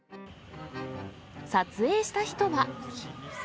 撮影した人は。